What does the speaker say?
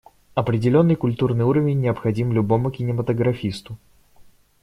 Определенный культурный уровень необходим любому кинематографисту.